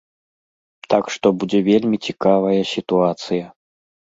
Так што будзе вельмі цікавая сітуацыя.